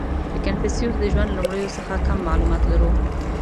• د کنفوسیوس د ژوند لومړیو څخه کم معلومات لرو.